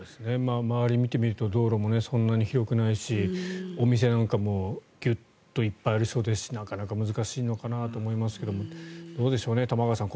周りを見てみてると道路もそんなに広くないしお店なんかもいっぱいありそうですしなかなか難しいのかなと思いますけどもどうでしょうね、玉川さん